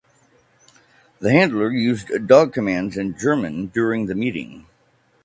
The handler used dog commands in German during the meeting.